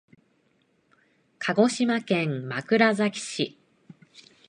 鹿児島県枕崎市